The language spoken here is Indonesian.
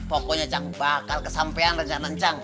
pokoknya cang bakal kesampean rencana cang